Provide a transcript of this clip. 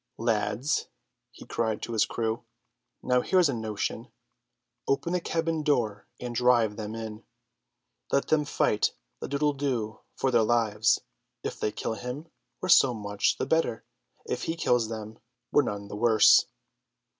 "Lads," he cried to his crew, "now here's a notion. Open the cabin door and drive them in. Let them fight the doodle doo for their lives. If they kill him, we're so much the better; if he kills them, we're none the worse."